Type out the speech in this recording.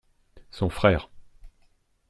Son frère.